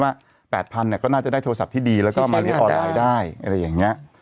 ว่า๘๐๐๐เนี่ยก็น่าจะได้โทรศัพท์ที่ดีแล้วก็มาเรียนออนไลน์ได้อะไรอย่างนี้